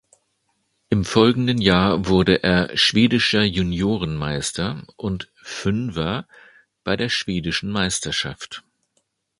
Im folgenden Jahr wurde er schwedischer Juniorenmeister und Fünfer bei der schwedischen Meisterschaft.